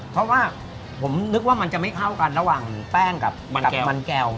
เพราะว่าผมนึกว่ามันจะไม่เข้ากันระหว่างแป้งกับมันแก้ว